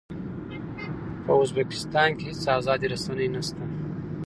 په ازبکستان کې هېڅ ازادې رسنۍ نه شته.